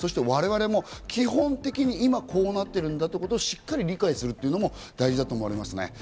我々も基本的に今こうなっているんだということをしっかり理解するというのも大事だと思いますね。